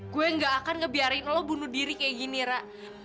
gue gak akan ngebiarin lo bunuh diri kayak gini rak